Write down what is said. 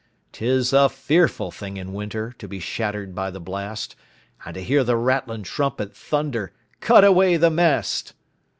'Tis a fearful thing in winter To be shattered by the blast, And to hear the rattling trumpet Thunder, "Cut away the mast!"